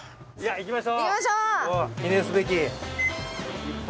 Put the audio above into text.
行きましょう。